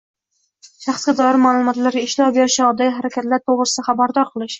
Shaxsga doir ma’lumotlarga ishlov berish chog‘idagi harakatlar to‘g‘risida xabardor qilish